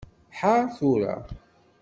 Ḥeṛṛ tura.